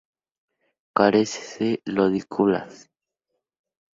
Carece de lodículas.